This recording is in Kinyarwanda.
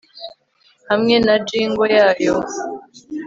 Hamwe na jingle yayo